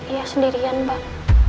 iya sendirian mbak